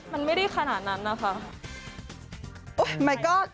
ก็ไม่เคยขนาดนั้นนะค่ะ